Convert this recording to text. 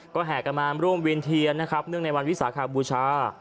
ก็แห่กันมาร่วมเวียนเทียนนะครับเนื่องในวันวิสาขบูชา